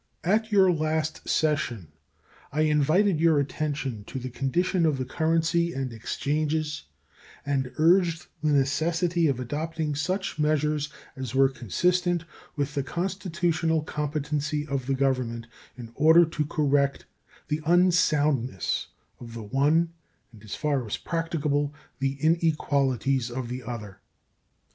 At your late session I invited your attention to the condition of the currency and exchanges and urged the necessity of adopting such measures as were consistent with the constitutional competency of the Government in order to correct the unsoundness of the one and, as far as practicable, the inequalities of the other.